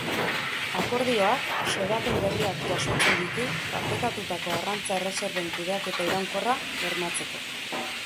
Akordioak xedapen berriak jasotzen ditu partekatutako arrantza erreserben kudeaketa iraunkorra bermatzeko.